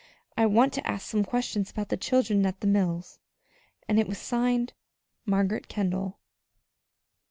I want to ask some questions about the children at the mills." And it was signed, "Margaret Kendall."